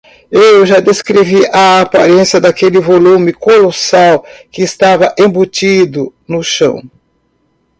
Eu já descrevi a aparência daquele volume colossal que estava embutido no chão.